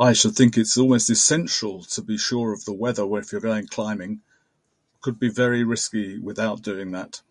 I should think it's always essential to be sure of the weather if you're going climbing. Could be very risky without doing that.